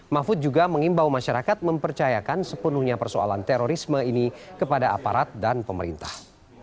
mahfud juga mengimbau masyarakat mempercayakan sepenuhnya persoalan terorisme ini kepada aparat dan pemerintah